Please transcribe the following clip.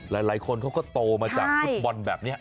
หลายคนเขาก็โตมาจากฟุตบอลแบบนี้